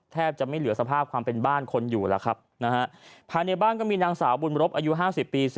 แทบจะไม่เหลือสภาพความเป็นบ้านคนอยู่แล้วครับนะฮะภายในบ้านก็มีนางสาวบุญรบอายุ๕๐ปี